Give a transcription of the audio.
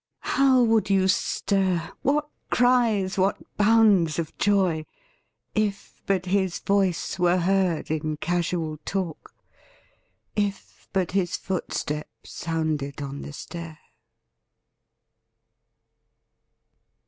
How would you stir, what cries, what bounds of joy, If but his voice were heard in casual talk, If but his footstep sounded on the stair